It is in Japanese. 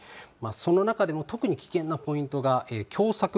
その中でも特に危険なポイントが狭さく